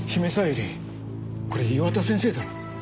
これ岩田先生だろ。